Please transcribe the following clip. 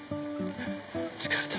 疲れた。